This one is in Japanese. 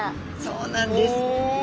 そうなんです。